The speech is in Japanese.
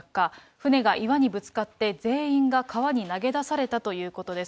船が岩にぶつかって、全員が川に投げ出されたということです。